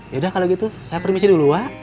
yaudah kalau gitu saya permisi dulu wa